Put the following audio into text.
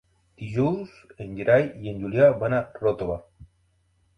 Dijous en Gerai i en Julià van a Ròtova.